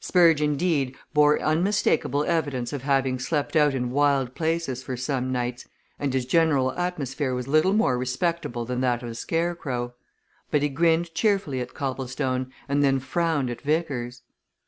Spurge, indeed, bore unmistakable evidence of having slept out in wild places for some nights and his general atmosphere was little more respectable than that of a scarecrow. But he grinned cheerfully at Copplestone and then frowned at Vickers.